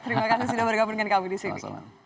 terima kasih sudah bergabung dengan kami disini